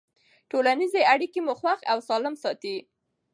ټولنیزې اړیکې مو خوښ او سالم ساتي.